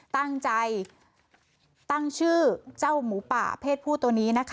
ตั้งใจตั้งชื่อเจ้าหมูป่าเพศผู้ตัวนี้นะคะ